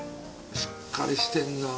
しっかりしてるな。